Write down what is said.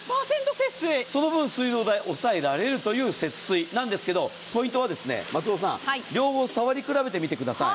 その分、水道水抑えられるんですが、ポイントは、松尾さん、両方触り比べてみてください。